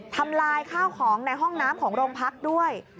ทำลายข้าวของในห้องน้ำของโรงพักด้วย